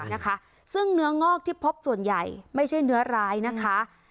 นะคะซึ่งเนื้องอกที่พบส่วนใหญ่ไม่ใช่เนื้อร้ายนะคะ